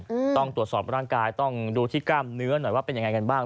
อืมต้องตรวจสอบร่างกายต้องดูที่กล้ามเนื้อหน่อยว่าเป็นยังไงกันบ้าง